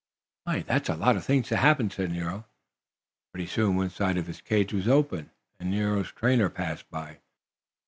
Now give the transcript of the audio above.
"My! that's a lot of things to happen," said Nero. Pretty soon one side of his cage was opened, and Nero's trainer passed by.